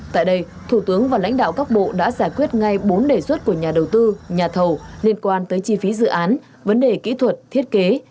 tại đây thủ tướng và lãnh đạo các bộ đã giải quyết ngay bốn đề xuất của nhà đầu tư nhà thầu liên quan tới chi phí dự án vấn đề kỹ thuật thiết kế